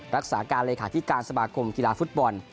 รักษาการเลขาธิการสมาคมกีฬาฟุตบอล